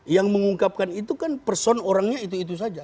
yang mengungkapkan itu kan person orangnya itu itu saja